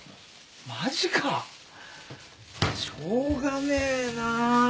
マジかしょうがねえな。